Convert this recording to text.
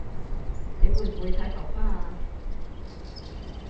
你會唔會太浮誇啊？